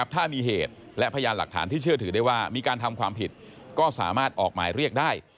ถ้ามีเหตุและพยานหลักฐานที่เชื่อถือได้ว่ามีการทำความผิดก็สามารถออกหมายเรียกได้